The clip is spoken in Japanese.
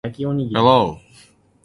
hello